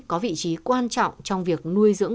có vị trí quan trọng trong việc nuôi dưỡng